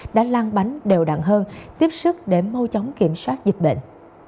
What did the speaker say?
đã lan bánh đều đặn hơn tiếp sức để mâu chống kiểm soát dịch bệnh